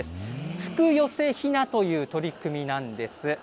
福よせ雛という取り組みなんです。